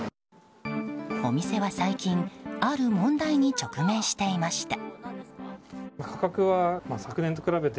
お店は最近ある問題に直面していました。